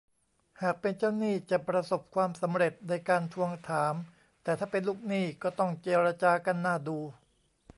หากเป็นเจ้าหนี้จะประสบความสำเร็จในการทวงถาม แต่ถ้าเป็นลูกหนี้ก็ต้องเจรจากันน่าดู